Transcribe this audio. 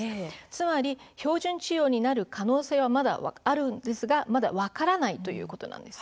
つまり標準治療になる可能性はまだあるんですがまだ分からないということなんです。